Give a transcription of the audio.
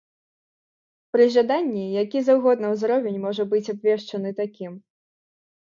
Пры жаданні які заўгодна ўзровень можа быць абвешчаны такім.